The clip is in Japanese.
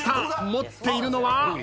持っているのは？